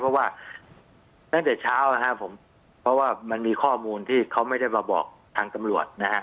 เพราะว่าตั้งแต่เช้านะครับผมเพราะว่ามันมีข้อมูลที่เขาไม่ได้มาบอกทางตำรวจนะฮะ